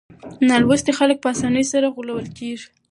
نالوستي خلک په اسانۍ سره غولول کېږي.